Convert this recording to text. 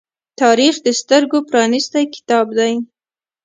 تاریخ د سترگو پرانیستی کتاب دی.